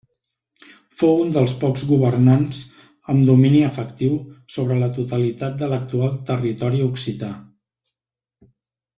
Fou un dels pocs governants amb domini efectiu sobre la totalitat de l'actual territori occità.